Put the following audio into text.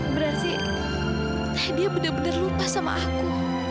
berarti dia benar benar lupa sama aku